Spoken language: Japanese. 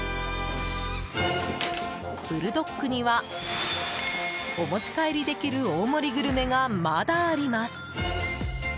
ブルドックにはお持ち帰りできる大盛りグルメが、まだあります。